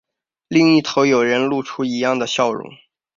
另一头有人露出一样的笑容